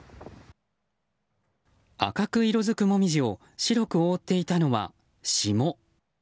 赤く色づくモミジを白く覆っていたのは霜。